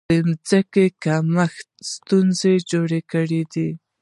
د ځمکې کمښت ستونزې جوړې کړې.